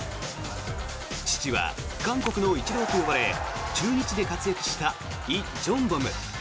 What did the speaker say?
父は韓国のイチローと呼ばれ中日で活躍したイ・ジョンボム。